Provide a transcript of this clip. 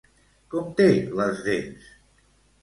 Com té les dents?